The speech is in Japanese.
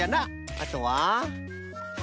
あとは？